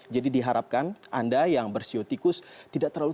jadi diharapkan anda yang bersiu tikus tidak terlalu